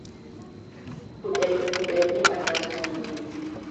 Kuɗel kuɗel nyiɓata suudu.